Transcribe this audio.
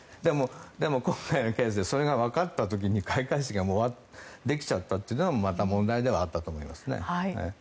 でも、今回のケースでそれがわかった時に開会式がもうできちゃったというのがまた問題ではあったと思いますね。